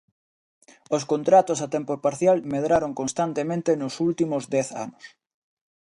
Os contratos a tempo parcial medraron constantemente nos últimos dez anos.